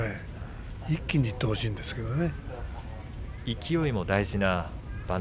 一気にいってもらいたいんですけどね。